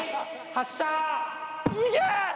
発射。